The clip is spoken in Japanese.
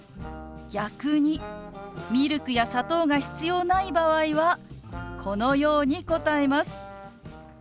逆にミルクや砂糖が必要ない場合はこのように答えます。